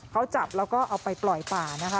เขาจับแล้วก็เอาไปปล่อยป่านะคะ